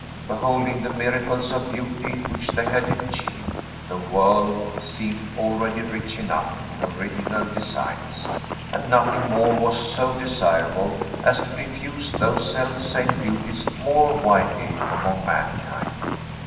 Beholding the miracles of beauty which they had achieved, the world seemed already rich enough in original designs, and nothing more was so desirable as to diffuse those self same beauties more widely among mankind.